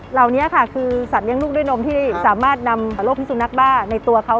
เหล่านี้ค่ะคือสัตว์เลี้ยงลูกด้วยนมที่สามารถนำโรคพิสุนักบ้าในตัวเขา